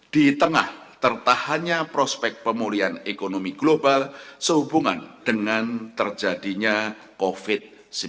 di tengah tertahannya prospek pemulihan ekonomi global sehubungan dengan terjadinya covid sembilan belas